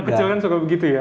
kecil kan suka begitu ya